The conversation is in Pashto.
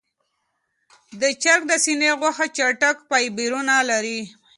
د چرګ د سینې غوښه چټک فایبرونه لري.